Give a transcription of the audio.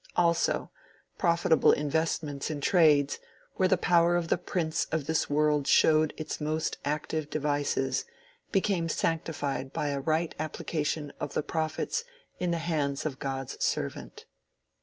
Also, profitable investments in trades where the power of the prince of this world showed its most active devices, became sanctified by a right application of the profits in the hands of God's servant.